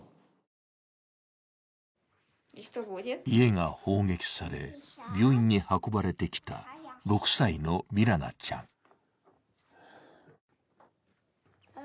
家が砲撃され病院に運ばれてきた、６歳のミラナちゃん。